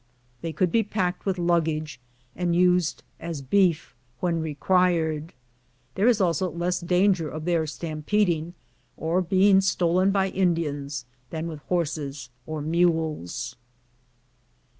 They could be packed with luggage, and used as beef when required. There is also less danger of their stampeding or being stolen by Indians than with horses or mules.